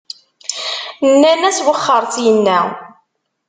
Nnan-as: Wexxeṛ syenna!